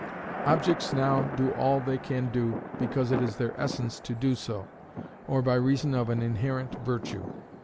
Objects now do all that they do because it is their Essence to do so, or by reason of an inherent Virtue.